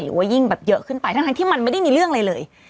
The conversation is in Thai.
ว่ายิ่งแบบเยอะขึ้นไปทั้งที่มันไม่ได้มีเรื่องอะไรเลย